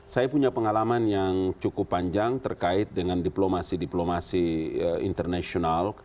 saya punya pengalaman yang cukup panjang terkait dengan diplomasi diplomasi internasional